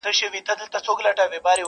پر رخسار دي اورولي خدای د حُسن بارانونه,